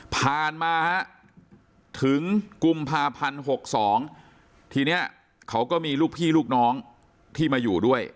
ผ่านมาฮะถึงกุมภาพันธ์๖๒ทีนี้เขาก็มีลูกพี่ลูกน้องที่มาอยู่ด้วย